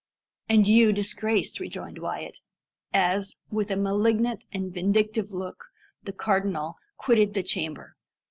"And you disgraced," rejoined Wyat, as, with a malignant and vindictive look, the cardinal quitted the chamber.